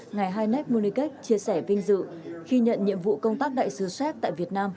ngày hai nét munich chia sẻ vinh dự khi nhận nhiệm vụ công tác đại sứ séc tại việt nam